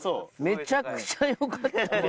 めちゃくちゃ良かった。